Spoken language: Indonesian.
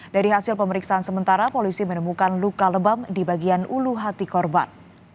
dari hasil pemeriksaan sementara polisi menemukan luka lebam di bagian ulu hati korban